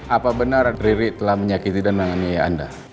apa benar riri telah menyakiti dan menangani ayah anda